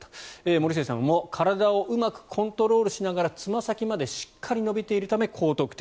森末さんも体をうまくコントロールしながらつま先までしっかり伸びているため高得点。